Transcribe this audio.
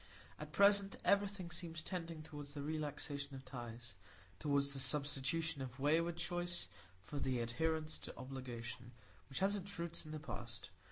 At present everything seems tending toward the relaxation of ties,—toward the substitution of wayward choice for the adherence to obligation, which has its roots in the past.